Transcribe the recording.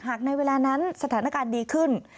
ในเวลานั้นสถานการณ์ดีขึ้น